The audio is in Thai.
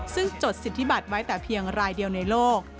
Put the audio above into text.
ซึ่งจดสิทธิบัตรไว้แต่เพียงรายเดียวในโลก